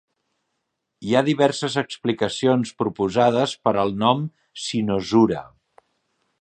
Hi ha diverses explicacions proposades per al nom "Cynosura".